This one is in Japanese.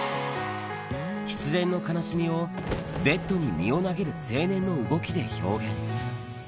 失恋の悲しみをベッドに身を投げる青年の動きで表現。